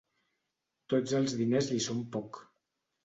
Tots els diners li són poc.